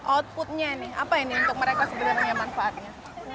outputnya ini apa ini untuk mereka sebenarnya manfaatnya